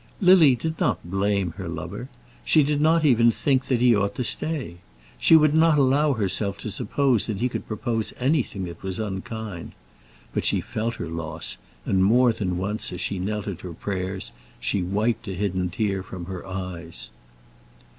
Lily did not blame her lover. She did not even think that he ought to stay. She would not allow herself to suppose that he could propose anything that was unkind. But she felt her loss, and more than once, as she knelt at her prayers, she wiped a hidden tear from her eyes.